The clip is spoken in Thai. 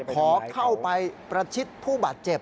ขอเข้าไปประชิดผู้บาดเจ็บ